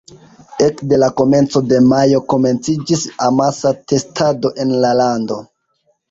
Ekde la komenco de majo komenciĝis amasa testado en la lando.